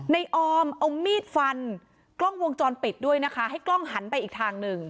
ออมเอามีดฟันกล้องวงจรปิดด้วยนะคะให้กล้องหันไปอีกทางหนึ่ง